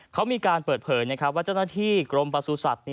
เค้ามีการเปิดเผยว่าเจ้าหน้าที่กรมปลาสูสัตว์